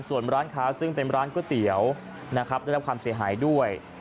ส่วนร้านค้าซึ่งเป็นร้านก๋วยเตี๋ยวนะครับได้รับความเสียหายด้วย